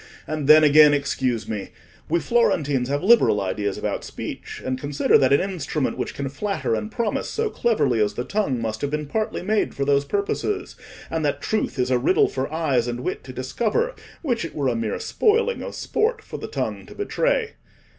And then, again, excuse me—we Florentines have liberal ideas about speech, and consider that an instrument which can flatter and promise so cleverly as the tongue, must have been partly made for those purposes; and that truth is a riddle for eyes and wit to discover, which it were a mere spoiling of sport for the tongue to betray.